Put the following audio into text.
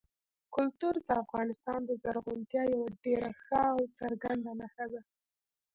کلتور د افغانستان د زرغونتیا یوه ډېره ښه او څرګنده نښه ده.